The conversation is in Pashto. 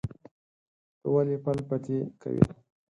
ته ولې پل پتی کوې؟